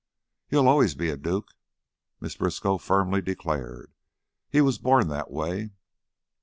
"He'll allus be a duke," Mrs. Briskow firmly declared. "He was born that way."